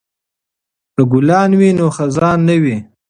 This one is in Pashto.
که ګلان وي نو خزان نه وي.